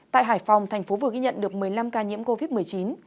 tại hải phòng thành phố vừa ghi nhận được một mươi năm ca nhiễm covid một mươi chín